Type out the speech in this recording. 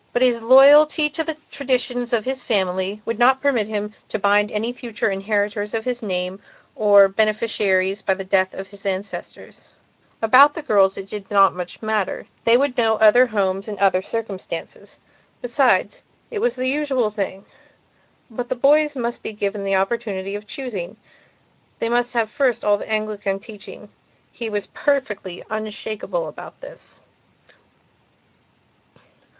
But his loyalty to the traditions of his family would not permit him to bind any future inheritors of his name or beneficiaries by the death of his ancestors. About the girls it did not so much matter. They would know other homes and other circumstances. Besides, it was the usual thing. But the boys must be given the opportunity of choosingand they must have first of all the Anglican teaching. He was perfectly unshakable about this.